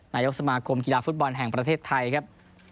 นายกสมาคมกีฬาฟุตบอลแห่งประเทศไทยครับ